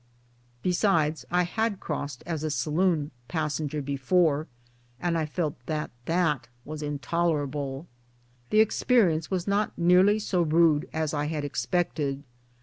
Besides, I had crossed as a saloon passenger before, and I felt that that was intolerable "1 The experience was not nearly so rude as I had expected.